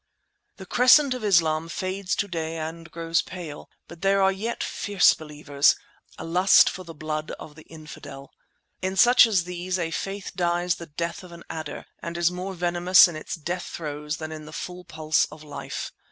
The crescent of Islam fades to day and grows pale, but there are yet fierce Believers, a lust for the blood of the infidel. In such as these a faith dies the death of an adder, and is more venomous in its death throes than in the full pulse of life.